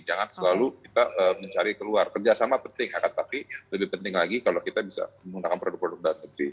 jangan selalu kita mencari keluar kerjasama penting akan tapi lebih penting lagi kalau kita bisa menggunakan produk produk dalam negeri